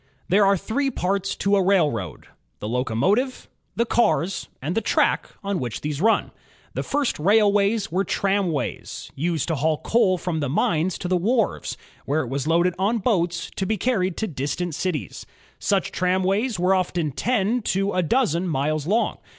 There are three parts to a railroad: the locomotive, the cars, and the track on which these run. The first rail ways were tramways, used to haul coal from the mines to the wharves, where it was loaded on boats to be carried to distant cities. Such tramways were often ten to a dozen miles long.